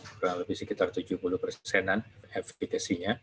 kurang lebih sekitar tujuh puluh persenan efikasinya